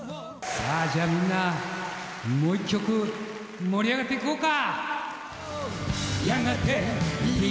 さあ、じゃあみんな、もう一曲、盛り上がっていこうか。